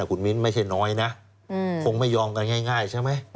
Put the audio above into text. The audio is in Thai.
คุณมิ้นไม่ใช่น้อยนะคงไม่ยอมกันง่ายใช่ไหม